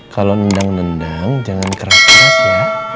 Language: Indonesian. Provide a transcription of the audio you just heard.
kalau nendang nendang jangan keras keras ya